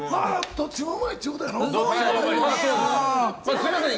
どっちもうまいってことやろ。